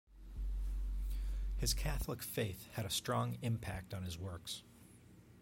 His Catholic faith had a strong impact on his works.